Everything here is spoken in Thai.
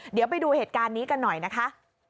เดี๋ยวไปดูเหตุการณ์นี้กันหน่อยนะคะ